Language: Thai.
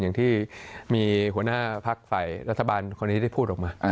อย่างที่มีหัวหน้าพักฝ่ายรัฐบาลคนนี้ได้พูดออกมา